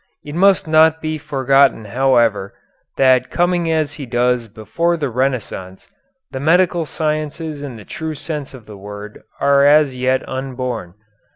It must not be forgotten, however, that coming as he does before the Renaissance, the medical sciences in the true sense of the word are as yet unborn.